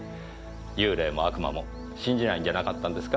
幽霊も悪魔も信じないんじゃなかったんですか？